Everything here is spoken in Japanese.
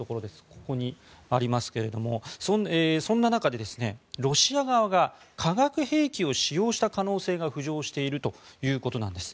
ここにありますがそんな中でロシア側が化学兵器を使用した可能性が浮上しているということです。